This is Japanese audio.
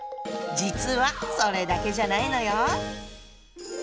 実はそれだけじゃないのよ。